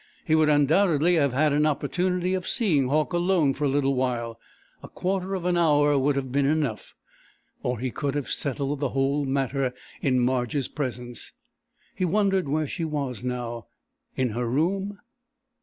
He would undoubtedly have had an opportunity of seeing Hauck alone for a little while a quarter of an hour would have been enough; or he could have settled the whole matter in Marge's presence. He wondered where she was now. In her room?